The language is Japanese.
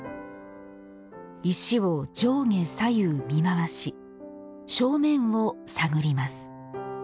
石を上下左右見回し正面を探ります。